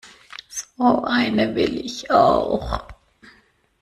So eine will ich auch.